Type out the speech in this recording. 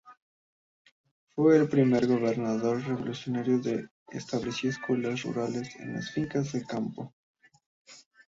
Fue el primer gobernador revolucionario que estableció escuelas rurales en las fincas de campo.